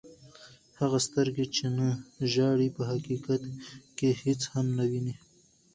هغه سترګي، چي نه ژاړي په حقیقت کښي هيڅ هم نه ويني.